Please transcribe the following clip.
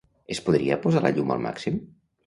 Es podria posar la llum al màxim?